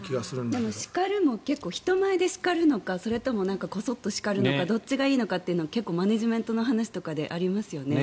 でも、叱るのも人前で叱るのかそれともこそっと叱るのかどっちがいいのかというのは結構マネジメントの話とかでもありますよね。